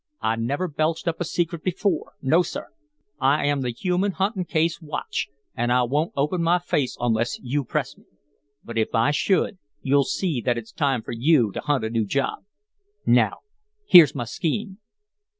I never belched up a secret before. No, sir; I am the human huntin' case watch, an' I won't open my face unless you press me. But if I should, you'll see that it's time for you to hunt a new job. Now, here's my scheme."